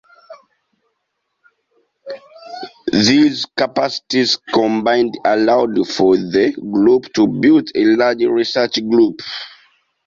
These capacities combined allowed for the group to build a large research group.